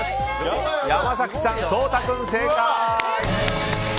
山崎さん、颯太君、正解。